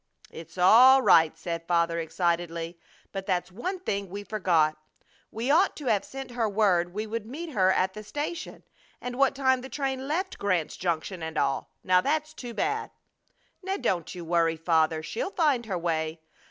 "It's all right!" said Father, excitedly, "but that's one thing we forgot. We'd ought to have sent her word we would meet her at the station, and what time the train left Grant's Junction, and all! Now that's too bad!" "Now don't you worry, Father. She'll find her way.